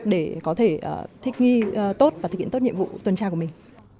để có thể thích nghi tốt và thực hiện tốt nhiệm vụ tuần tra của mình